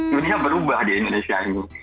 dunia berubah di indonesia ini